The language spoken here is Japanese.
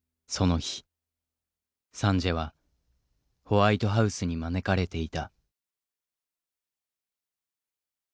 サンジエはホワイトハウスに招かれていた。